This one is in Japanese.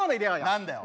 何だよ。